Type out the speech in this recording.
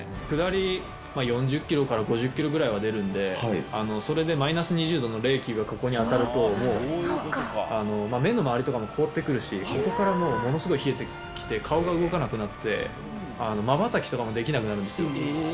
下り、４０キロから５０キロぐらいは出るんで、それでマイナス２０度の冷気がここに当たると、もう、目の周りとかも凍ってくるし、ここからもうものすごい冷えてきて顔が動かなくなって、まばたきとかもできなくなるんですよ。